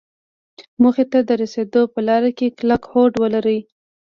موخې ته د رسېدو په لاره کې کلک هوډ ولري.